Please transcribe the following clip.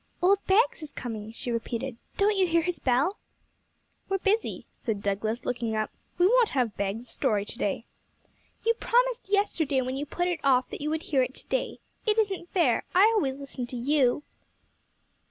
'Old Bags is coming,' she repeated; 'don't you hear his bell?' 'We're busy,' said Douglas, looking up; 'we won't have Bags' story to day.' 'You promised yesterday when you put it off that you would hear it to day. It isn't fair. I always listen to you.'